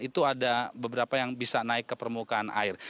itu ada beberapa yang bisa naik ke permukaan air